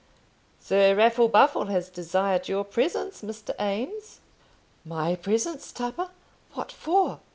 "Sir Raffle Buffle has desired your presence, Mr. Eames." "My presence, Tupper! what for?"